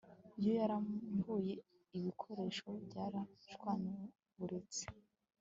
Iyo yarambuye ibikoresho byarashwanyaguritse